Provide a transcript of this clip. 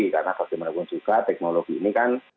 karena bagaimanapun juga teknologi ini kan